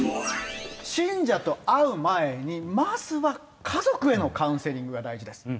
信者と会う前に、まずは家族へのカウンセリングが大事です。